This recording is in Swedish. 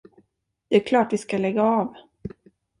Det är klart vi ska lägga av.